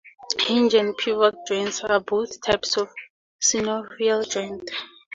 Hinge and pivot joints are both types of synovial joint.